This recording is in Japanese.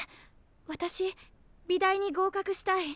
私美大に合格したい。